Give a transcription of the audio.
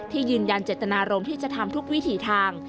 ยืนยันเจตนารมณ์ที่จะทำทุกวิถีทาง